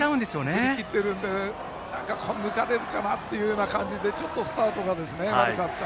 振り切っているので抜かれるかなという感じでスタートが悪かった。